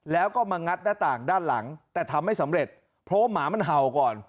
แล้วก็มางัดหน้าต่างด้านหลังแต่ทำไม่สำเร็จเพราะว่าหมามันเห่าก่อน